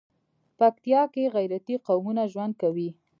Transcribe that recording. پکتيا کې غيرتي قومونه ژوند کوي.